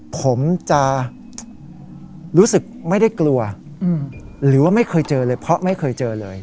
ผมจะรู้สึกไม่ได้กลัวหรือว่าไม่เคยเจอเลยเพราะไม่เคยเจอเลย